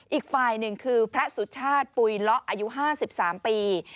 อีกฝ่ายหนึ่งคือพระสุชาติปุ๋ยเลาะอายุ๕๓ปี